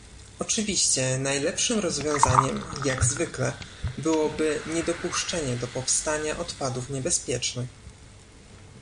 Oczywiście najlepszym rozwiązaniem - jak zwykle - byłoby niedopuszczenie do powstania odpadów niebezpiecznych